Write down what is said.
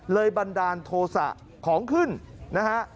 บันดาลโทษะของขึ้นนะฮะ